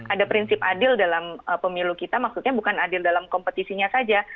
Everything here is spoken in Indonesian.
ada prinsip adil dalam pemilu kita maksudnya bukan adil dalam kompetisinya saja